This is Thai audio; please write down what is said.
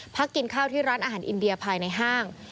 กินข้าวที่ร้านอาหารอินเดียภายในห้าง